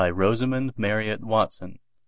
Rosamund Marriott Watson b.